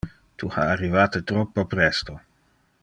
Tu ha arrivate troppo presto.